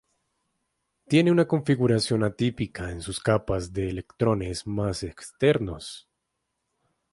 Tiene una configuración atípica en sus capas de electrones más externos.